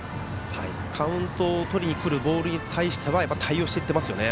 カウントをとりにくるボールに対してはやっぱり対応していますね。